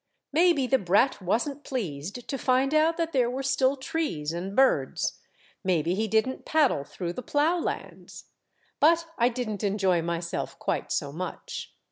Maybe the brat was n't pleased to find out that there were still trees and birds ; maybe he did n't paddle through the plough lands ! But I did n't enjoy myself quite so much.